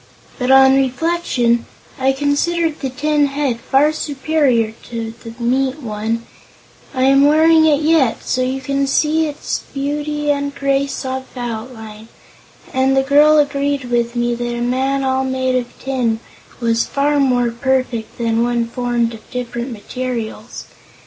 But, on reflection, I considered the tin head far superior to the meat one I am wearing it yet, so you can see its beauty and grace of outline and the girl agreed with me that a man all made of tin was far more perfect than one formed of different materials.